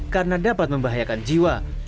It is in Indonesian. karena dapat membahayakan jiwa